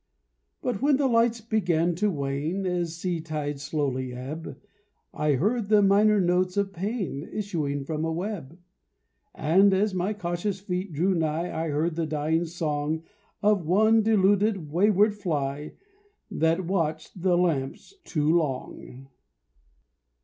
But when the lights began to wane, As sea tides slowly ebb, I heard the minor notes of pain Issuing from a web; And as my cautious feet drew nigh, I heard the dying song Of one deluded, wayward fly That watched the lamps too long.